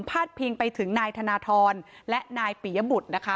ดพิงไปถึงนายธนทรและนายปียบุตรนะคะ